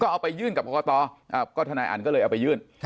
เอาไปยื่นกับกรกตก็ทนายอันก็เลยเอาไปยื่น